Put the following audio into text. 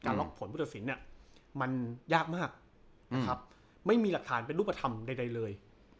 ล็อกผลผู้ตัดสินเนี่ยมันยากมากนะครับไม่มีหลักฐานเป็นรูปธรรมใดเลย